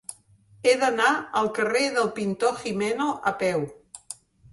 He d'anar al carrer del Pintor Gimeno a peu.